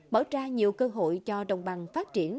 mở ra nhiều cơ hội cho đồng bằng phát triển